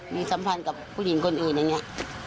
มีสัมพันธ์กับผู้หญิงคนอื่นอย่างนี้